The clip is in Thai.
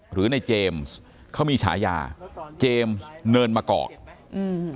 หรือในเจมส์เขามีฉายาเจมส์เนินมะกอกอืม